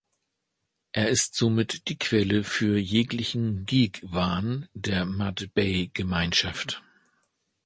Er ist somit die Quelle für jeglichen Geek-Wahn der Mud-Bay-Gemeinschaft.